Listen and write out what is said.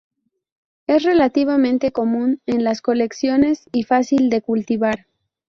Es relativamente común en las colecciones; y fácil de cultivar.